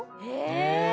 え！